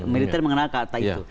militer mengenal kata itu